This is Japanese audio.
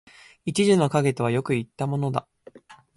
一樹の蔭とはよく云ったものだ